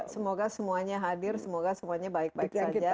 semoga semuanya hadir semoga semuanya baik baik saja